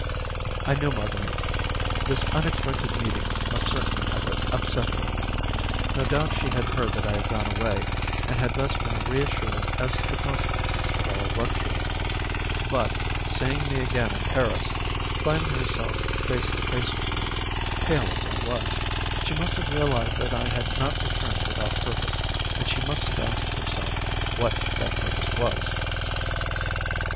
I knew Marguerite: this unexpected meeting must certainly have upset her. No doubt she had heard that I had gone away, and had thus been reassured as to the consequences of our rupture; but, seeing me again in Paris, finding herself face to face with me, pale as I was, she must have realized that I had not returned without purpose, and she must have asked herself what that purpose was.